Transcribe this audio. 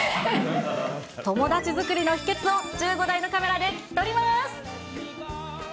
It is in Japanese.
友達作りの秘けつを１５台のカメラで聞き取ります。